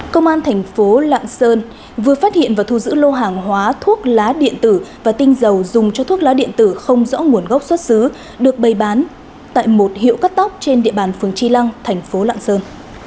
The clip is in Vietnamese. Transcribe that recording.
công an thành phố lạng sơn vừa phát hiện và thu giữ lô hàng hóa thuốc lá điện tử và tinh dầu dùng cho thuốc lá điện tử không rõ nguồn gốc xuất xứ được bày bán tại một hiệu cắt tóc trên địa bàn phường chi lăng thành phố lạng sơn